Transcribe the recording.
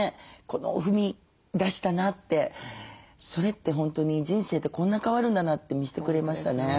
踏み出したなってそれって本当に人生ってこんな変わるんだなって見せてくれましたね。